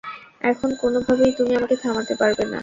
এখন কোনোভাবেই তুমি আমাকে থামাতে পারবে না।